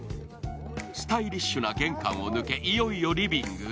スタイリッシュな玄関を抜け、いよいよリビングへ。